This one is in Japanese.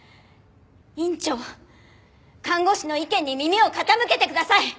院長看護師の意見に耳を傾けてください！